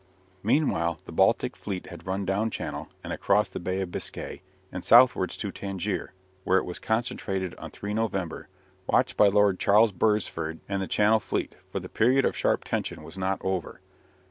Meanwhile the Baltic fleet had run down Channel and across the Bay of Biscay, and southwards to Tangier, where it was concentrated on 3 November, watched by Lord Charles Beresford and the Channel Fleet, for the period of sharp tension was not over.